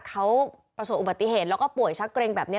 เขาประสบอุบัติเหตุแล้วก็ป่วยชักเกรงแบบนี้